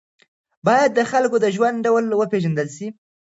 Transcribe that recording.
باید د خلکو د ژوند ډول وپېژندل سي.